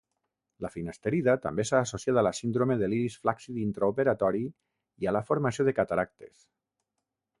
La finasterida també s'ha associat a la síndrome de l'iris flàccid intraoperatori i a la formació de cataractes.